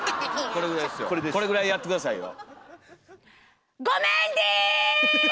これぐらいやって下さいよ。